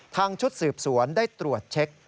ชุดสืบสวนได้ตรวจเช็ค